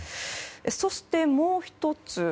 そして、もう１つ。